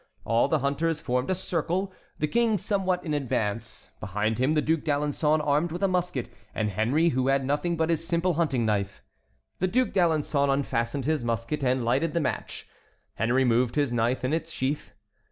All the hunters formed a circle, the King somewhat in advance, behind him the Duc d'Alençon armed with a musket, and Henry, who had nothing but his simple hunting knife. The Duc d'Alençon unfastened his musket and lighted the match. Henry moved his knife in its sheath.